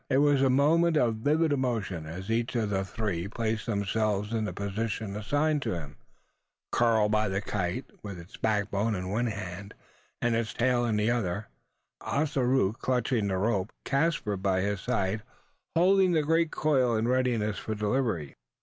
It was a moment of vivid emotion, as each of he three placed himself in the position assigned to him Karl by the kite, with its backbone in one hand, and its tail in the other Ossaroo clutching the rope and Caspar by his side, holding the great coil in readiness for delivery.